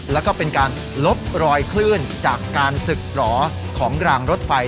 แล้วก็เป็นการลบรอยคลื่นจากการศึกหรอของรางรถไฟ